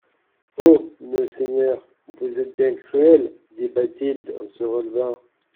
Oh ! monseigneur, vous êtes bien cruel ! dit Bathilde en se relevant.